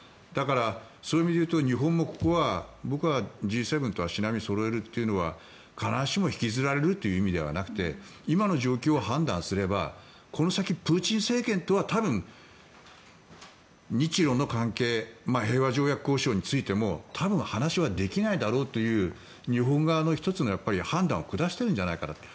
だから、そういう意味で言うと日本もここは僕はＧ７と足並みをそろえるというのは必ずしも、引きずられるという意味ではなくて今の状況を判断すればこの先プーチン政権とは日ロの関係平和条約交渉についても多分話はできないだろうという日本側の１つの判断を判断を下しているんじゃないかと。